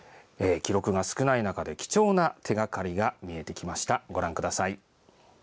記録が少ない中で貴重な手がかりが見えてきました。